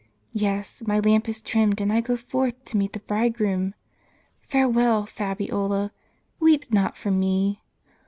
Yes, my lamp is trimmed, and I go forth to meet the Bi'idegroom. Farewell, Fabiola; weep not for me.